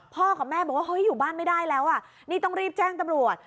กับแม่บอกว่าเฮ้ยอยู่บ้านไม่ได้แล้วอ่ะนี่ต้องรีบแจ้งตำรวจ